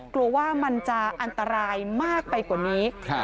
กลัวว่ามันจะอันตรายมากไปกว่านี้